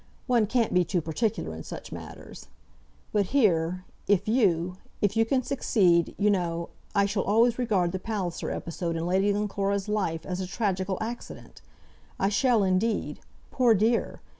One can't be too particular in such matters. But here, if you, if you can succeed, you know, I shall always regard the Palliser episode in Lady Glencora's life as a tragical accident. I shall indeed. Poor dear!